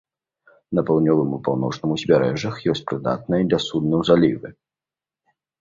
На паўднёвым і паўночным узбярэжжах ёсць прыдатныя для суднаў залівы.